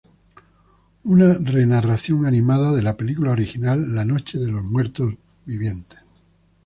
Una re-narración animada de la película original la Noche de los muertos vivientes.